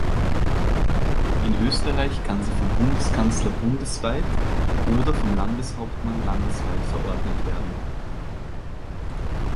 In Österreich kann sie vom Bundeskanzler bundesweit oder vom Landeshauptmann landesweit verordnet werden.